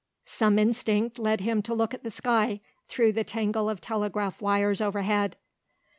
Some instinct led him to look at the sky through the tangle of telegraph wires overhead.